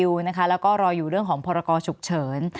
และรอยอยู่เรื่องของพรก่อฉุกเฉิน